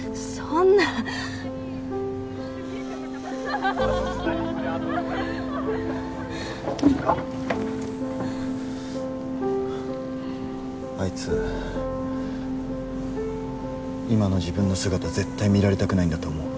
あいつ今の自分の姿絶対見られたくないんだと思う。